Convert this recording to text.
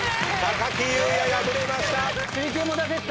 木雄也敗れました。